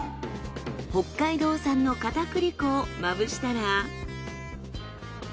北海道産の片栗粉をまぶしたら。